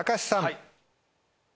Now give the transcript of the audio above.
はい。